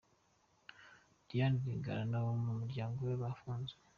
Diane Rwigara n’abo mu muryango we bafunzwe.